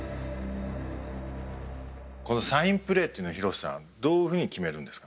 このサインプレーというのは廣瀬さんどういうふうに決めるんですか？